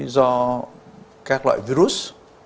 do các loại virus